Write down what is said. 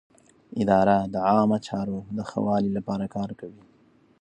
اداره د عامه چارو د ښه والي لپاره کار کوي.